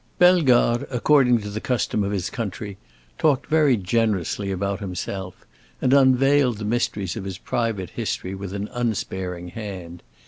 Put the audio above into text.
Bellegarde, according to the custom of his country talked very generously about himself, and unveiled the mysteries of his private history with an unsparing hand.